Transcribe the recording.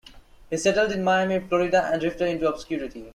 He settled in Miami, Florida and drifted into obscurity.